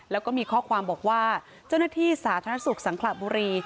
แล้วก็มีข้อความบอกว่าเจ้าหน้าที่สาธารณสุขสังขระบุรี